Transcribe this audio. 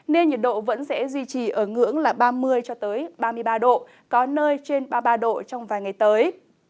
nên nhiệt độ vẫn sẽ duy trì ở ngưỡng ba mươi ba mươi ba độ có nơi trên ba mươi ba độ trong vài ngày tới